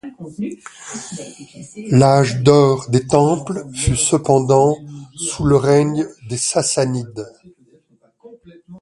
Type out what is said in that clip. L'âge d'or des temples fut cependant sous le règne des Sassanides.